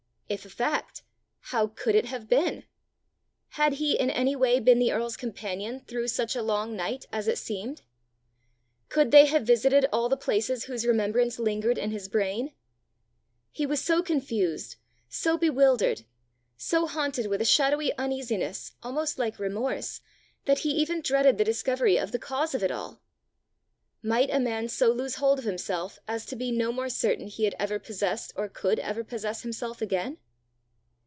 If a fact, how could it have been? Had he in any way been the earl's companion through such a long night as it seemed? Could they have visited all the places whose remembrance lingered in his brain? He was so confused, so bewildered, so haunted with a shadowy uneasiness almost like remorse, that he even dreaded the discovery of the cause of it all. Might a man so lose hold of himself as to be no more certain he had ever possessed or could ever possess himself again?